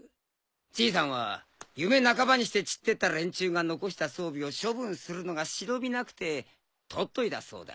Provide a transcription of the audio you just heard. じいさんは夢半ばにして散ってった連中が残した装備を処分するのが忍びなくて取っといたそうだ。